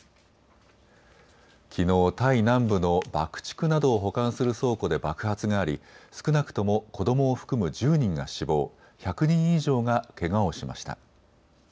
きのうタイ南部の爆竹などを保管する倉庫で爆発があり少なくとも子どもを含む１０人が死亡、１００人以上がけがをしました。